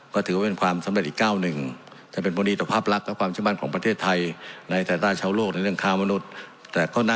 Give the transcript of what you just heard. ก็ถือวุ่่ะเป็นความสำเร็จทีก่าวหนึ่ง